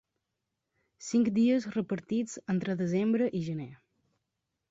Cinc dies repartits entre desembre i gener.